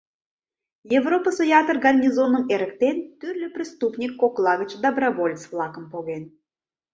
Европысо ятыр гарнизоным эрыктен, тӱрлӧ преступник кокла гыч доброволец-влакым поген.